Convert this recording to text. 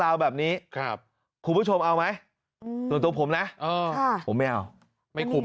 แบบนี้ครับคุณผู้ชมเอาไหมส่วนตัวผมนะผมไม่เอาไม่คุม